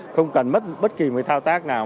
không cần mất bất kỳ mấy thao tác nào